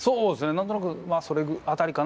何となくそれ辺りかな。